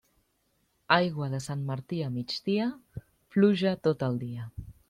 Aigua de Sant Martí a migdia, pluja tot el dia.